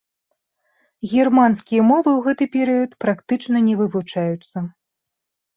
Германскія мовы ў гэты перыяд практычна не вывучаюцца.